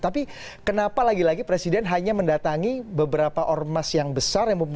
tapi kenapa lagi lagi presiden hanya mendatangi beberapa ormas yang besar